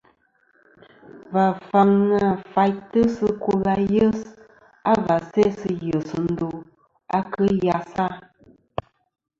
Và faŋa faytɨ sɨ kul ayes a và sæ sɨ yes ndo a kɨ yesa.